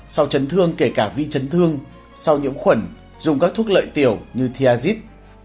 sau chấn thương kể cả vi chấn thương sau nhiễm khuẩn dùng các thuốc lợi tiểu như thiazit